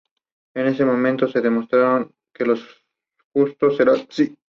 Fue protagonizada por Silvia Pinal.